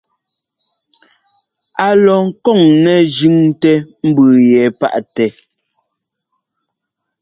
Á lɔ ŋkɔ̂n nɛ́ jʉ́ntɛ́ mbʉ yɛ paʼtɛ.